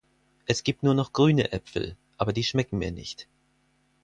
Es gibt nur noch grüne Äpfel, aber die schmecken mir nicht.